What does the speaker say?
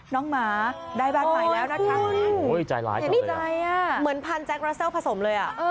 น้องหมาได้บัตรใหม่แล้วนะคะอ๋อคุณเหมือนพันธุ์แจ๊ครัสเซลล์ผสมเลยอะ